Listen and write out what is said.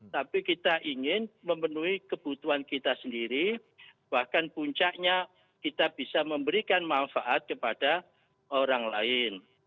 tapi kita ingin memenuhi kebutuhan kita sendiri bahkan puncaknya kita bisa memberikan manfaat kepada orang lain